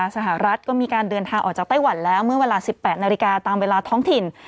สหรัฐก็มีการเดินทางออกจากไต้หวันแล้วเมื่อเวลา๑๘นาฬิกาตามเวลาท้องถิ่น